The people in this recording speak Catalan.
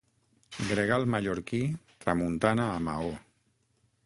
Gregal mallorquí, tramuntana a Maó.